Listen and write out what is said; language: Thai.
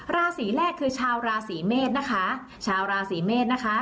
ราศีแรกคือชาวราศีเมษนะคะชาวราศีเมษนะคะ